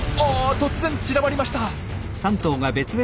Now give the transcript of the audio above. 突然散らばりました。